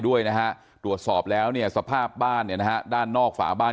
ด้วยนะฮะตรวจสอบแล้วเนี่ยสภาพบ้านเนี่ยนะฮะด้านนอกฝาบ้าน